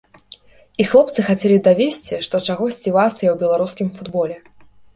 І хлопцы хацелі давесці, што чагосьці вартыя ў беларускім футболе.